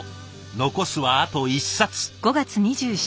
残すはあと１冊。